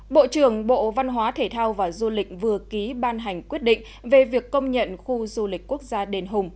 bộ trưởng bộ văn hóa thể thao và du lịch vừa ký ban hành quyết định về việc công nhận khu du lịch quốc gia đền hùng